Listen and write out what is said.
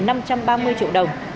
năm trăm ba mươi triệu đồng